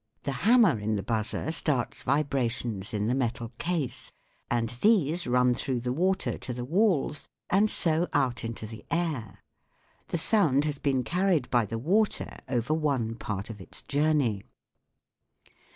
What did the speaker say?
The hammer in the 8 THE WORLD OF SOUND buzzer starts vibrations in the metal case, and these run through the water to the walls and so out into the air. The sound has been carried by the water over one part of its journey.